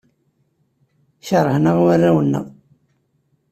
Keṛhen-aɣ warraw-nneɣ.